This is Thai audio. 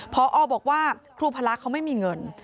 พอบอกว่าครูพละเขาไม่มีเงิน